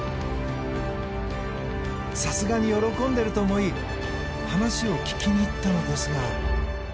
さすがに喜んでいると思い話を聞きに行ったのですが。